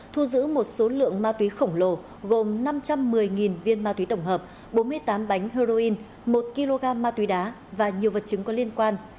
thu giữ một số lượng ma túy khổng lồ gồm năm trăm một mươi viên ma túy tổng hợp bốn mươi tám bánh heroin một kg ma túy đá và nhiều vật chứng có liên quan